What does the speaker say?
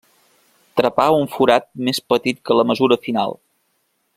Trepar un forat més petit que la mesura final.